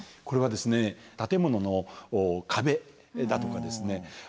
これはですね建物の壁だとかですね